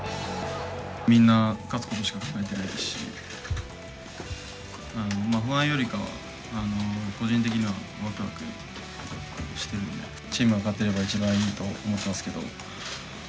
みんな勝つことしか考えてないですし、不安よりかは、個人的にはわくわくしてるんで、チームが勝てれば一番いいと思ってますけど。